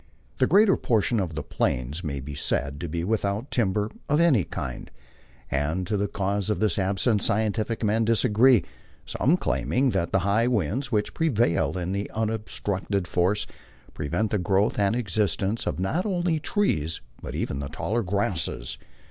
The greater portion of the Plains may be said to be without timber of any kind. As to the cause of this absence scientific men disagree, some claiming that the high winds which prevail in unobstructed force prevent the growth and existence of not only trees but even the taller grasses.